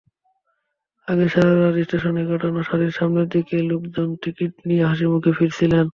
আগের সারা রাত স্টেশনেই কাটানো সারির সামনের দিকের লোকজনটিকিট নিয়ে হাসিমুখে ফিরছিলেন।